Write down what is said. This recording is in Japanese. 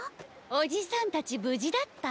おじさんたちぶじだった？